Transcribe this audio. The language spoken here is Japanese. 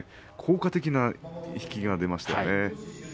効果的な引きが出ましたね。